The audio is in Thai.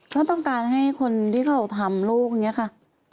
เขาต้องการให้คนที่เขาทำลูกนี้ค่ะ